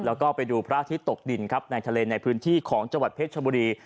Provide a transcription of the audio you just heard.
แล้วก็ไปดูพระอาทิตย์ตกดินครับในทะเลในพื้นที่ของจังหวัดเพชรชบุรี